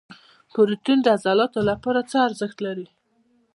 پروټین د عضلاتو لپاره څه ارزښت لري؟